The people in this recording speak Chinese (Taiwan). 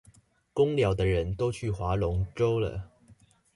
工寮的人都去划龍舟了